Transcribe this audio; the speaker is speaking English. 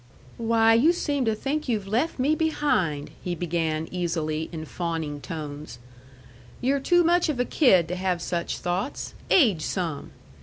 "Why, you seem to think you've left me behind," he began easily, in fawning tones. "You're too much of a kid to have such thoughts. Age some."